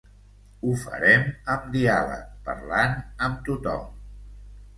Ho farem amb diàleg, parlant amb tothom.